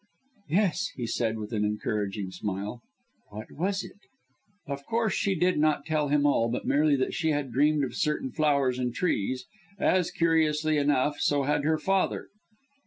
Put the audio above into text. "Yes," he said with an encouraging smile, "what was it?" Of course she did not tell him all, but merely that she had dreamed of certain flowers and trees as, curiously enough, so had her father.